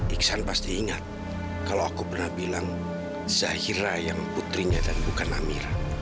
iksan pasti ingat kalau aku pernah bilang zahira yang putrinya dan bukan amira